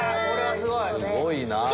すごいなぁ。